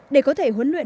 để có thể huấn luyện